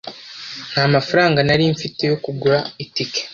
ntamafaranga nari mfite yo kugura itike